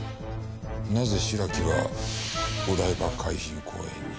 なぜ白木はお台場海浜公園に。